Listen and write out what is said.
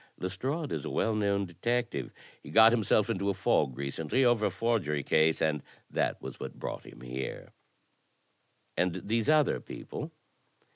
Lestrade is a well known detective. He got himself into a fog recently over a forgery case, and that was what brought him here." "And these other people?"